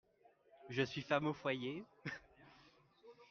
Je suis femme au foyer.